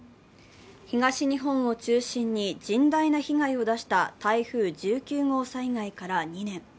東日本を中心に甚大な被害を出した台風１９号災害から２年。